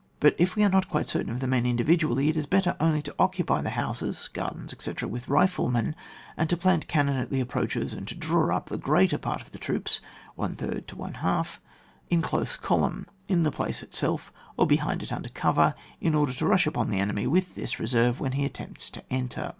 But if we are not quite certain of the men individually, it is better only to occupy the houses, gardens, etc. with riflemen, and to plant cannon at the approaches, and to draw up the greater part of the troops (one third to one half) in close column, in the place itself, or behind it under cover, in order to rush upon the enemy with this reserve, when he attempts to enter.